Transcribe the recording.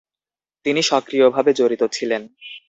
তিনি সক্রিয়ভাবে জড়িত ছিলেন।